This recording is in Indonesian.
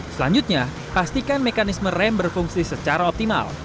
selanjutnya pastikan mekanisme rem berfungsi secara optimal